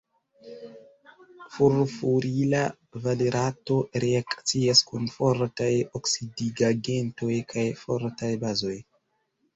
Furfurila valerato reakcias kun fortaj oksidigagentoj kaj fortaj bazoj.